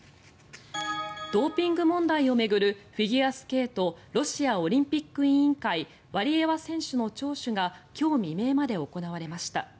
ドーピング問題を巡るフィギュアスケートロシアオリンピック委員会ワリエワ選手の聴取が今日未明まで行われました。